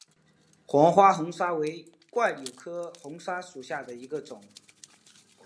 黄花红砂为柽柳科红砂属下的一个种。